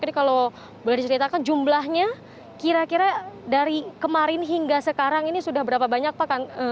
jadi kalau boleh diceritakan jumlahnya kira kira dari kemarin hingga sekarang ini sudah berapa banyak pak